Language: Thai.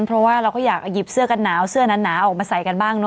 เพราะว่าเราก็อยากหยิบเสื้อกันหนาวเสื้อหนาออกมาใส่กันบ้างเนอ